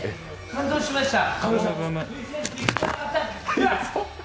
感動しました。